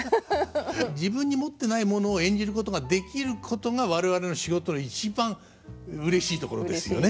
自分に持ってないものを演じることができることが我々の仕事の一番うれしいところですよね。